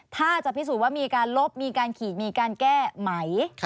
ถ้าจะพิสูจน์ว่ามีการลบมีการขีดมีการแก้ไหม